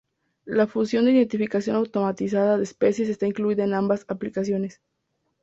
La función de identificación automatizada de especies está incluida en ambas aplicaciones.